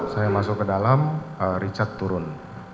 saya masuk ke dalam richard turun